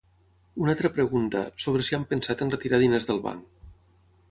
Una altra pregunta, sobre si han pensat en retirar diners del banc.